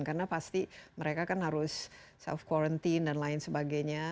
karena pasti mereka kan harus self quarantine dan lain sebagainya